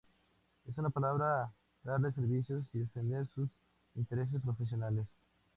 En una palabra, darles servicios y defender sus intereses profesionales.